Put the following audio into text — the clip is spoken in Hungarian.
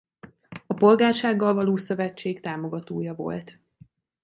A polgársággal való szövetség támogatója volt.